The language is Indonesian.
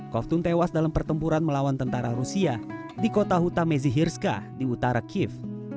kovtun tewas dalam pertempuran melawan tentara rusia di kota huta mezirska di utara kiev